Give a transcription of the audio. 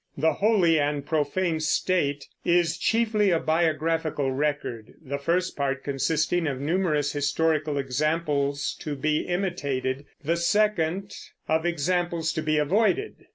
The Holy and Profane State_ is chiefly a biographical record, the first part consisting of numerous historical examples to be imitated, the second of examples to be avoided.